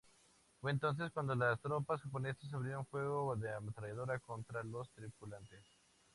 Fue entonces cuando las tropas japonesas abrieron fuego de ametralladora contra los tripulantes.